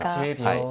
はい。